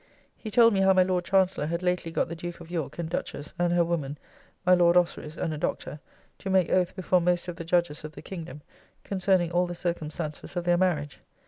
He told me how my Lord Chancellor had lately got the Duke of York and Duchess, and her woman, my Lord Ossory's and a Doctor, to make oath before most of the judges of the kingdom, concerning all the circumstances of their marriage.